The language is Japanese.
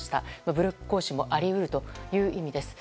武力行使もあり得るという意味です。